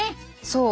そう。